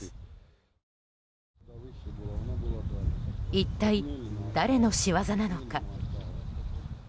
一体、誰の仕業なのか。